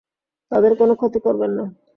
তাদের কোনো ক্ষতি করবেন না।